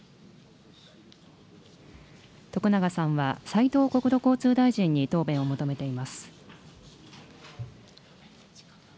徳永さんは、斉藤国土交通大臣に答弁を求めています。